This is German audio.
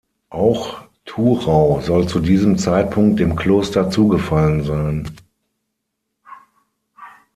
Auch Thurau soll zu diesem Zeitpunkt dem Kloster zugefallen sein.